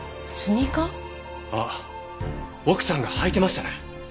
あっ奥さんが履いてましたね。